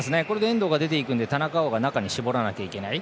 遠藤が出て行くので田中碧が中に絞らないといけない。